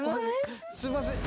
すいません。